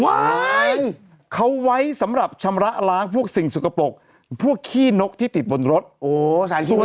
ไว้เขาไว้สำหรับชำระล้างพวกสิ่งสุขปกพวกขี้นกที่ติดบนรถโอ้